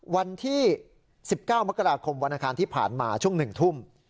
วันที่๑๙มกราคมวันอาคารที่ผ่านมาช่วง๑ทุ่ม